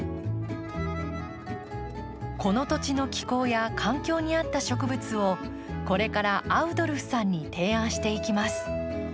この土地の気候や環境に合った植物をこれからアウドルフさんに提案していきます。